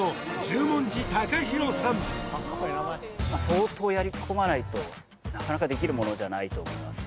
相当やりこまないとなかなかできるものじゃないと思います